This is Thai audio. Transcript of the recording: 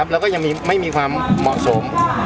แล้วไม่มีความเหมาะสม